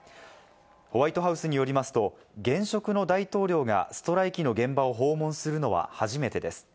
ホワイトハウスによりますと、現職の大統領がストライキの現場を訪問するのは初めてです。